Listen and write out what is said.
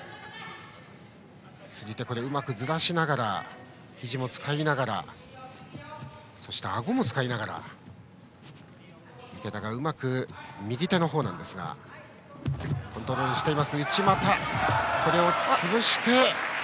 釣り手うまくずらしながらひじも使いながらそして、あごも使いながら池田がうまくコントロールしています。